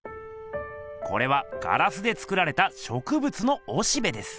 これはガラスで作られたしょくぶつのおしべです。